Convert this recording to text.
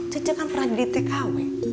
cece kan pernah jadi tkw